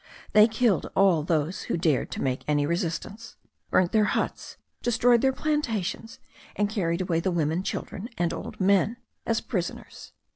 They killed all those who dared to make any resistance, burnt their huts, destroyed their plantations, and carried away the women, children, and old men, as prisoners.